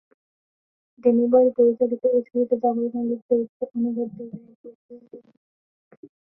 Denny Boyle পরিচালিত এ ছবিতে জামাল মালিক চরিত্রে অনবদ্য অভিনয় করেছিলেন তিনি।